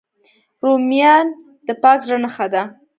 رومیان د پاک زړه نښه ده